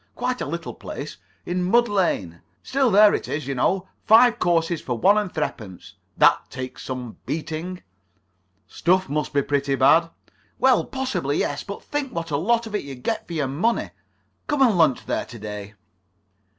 Quite a little place, in Mud Lane. Still there it is, you know. Five courses for one and threepence. That takes some beating." "Stuff must be pretty bad." "Well, possibly yes. But think what a lot of it you get for your money. Come and lunch there to day."